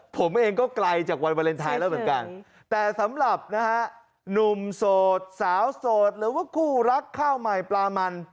ผมเองก็ไกลจากวันวาเลนไทยแล้วเหมือนกันแต่สำหรับนะฮะหนุ่มโสดสาวโสดหรือว่าคู่รักข้าวใหม่ปลามัน